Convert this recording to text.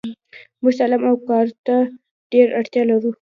موږ تعلیم اوکارته ډیره اړتیالرو .